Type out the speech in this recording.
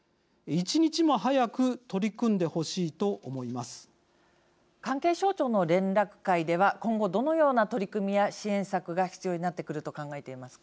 １日も早く取り組んでほしい関係省庁の連絡会では今後、どのような取り組みや支援策が必要になってくるはい。